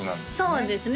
そうですね